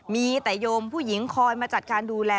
มีแต่โยมผู้หญิงคอยมาจัดการดูแล